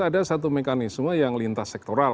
ada satu mekanisme yang lintas sektoral